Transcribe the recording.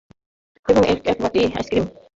এবং এক বাটি আইসক্রিমও।